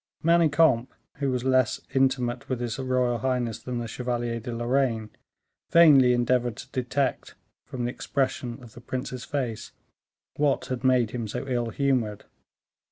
Manicamp, who was less intimate with his royal highness than the Chevalier de Lorraine, vainly endeavored to detect, from the expression of the prince's face, what had made him so ill humored.